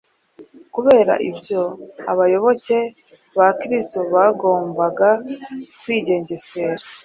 Kubera ibyo, abayoboke ba Kristo bagombaga kwigengesera